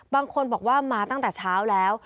บางคนบอกว่ามาตั้งแต่เช้าแล้ว